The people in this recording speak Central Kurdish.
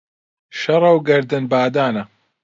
شەڕە و گەردن بادانە